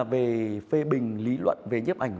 về phê bình lý luận về nhếp ảnh